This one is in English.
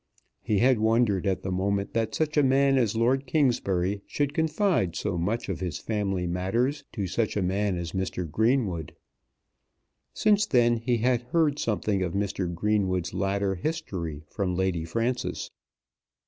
He had wondered at the moment that such a man as Lord Kingsbury should confide so much of his family matters to such a man as Mr. Greenwood. Since then he had heard something of Mr. Greenwood's latter history from Lady Frances.